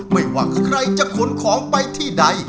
ไม่ว่าใครจะขนของไปที่ใด